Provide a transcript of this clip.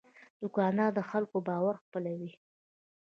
دوکاندار د خلکو باور خپلوي.